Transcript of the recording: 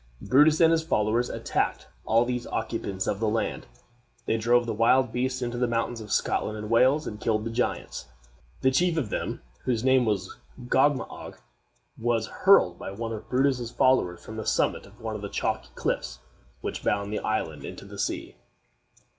Brutus and his followers attacked all these occupants of the land. They drove the wild beasts into the mountains of Scotland and Wales, and killed the giants. The chief of them, whose name was Gogmagog, was hurled by one of Brutus's followers from the summit of one of the chalky cliffs which bound the island into the sea.